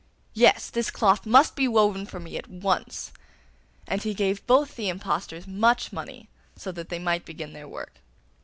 Yes, this cloth must be woven for me at once.' And he gave both the impostors much money, so that they might begin their work.